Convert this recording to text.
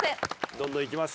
どんどんいきます。